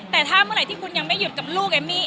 แต่ถ้าเมื่อไหร่ที่คุณยังไม่หยุดกับลูกเอมมี่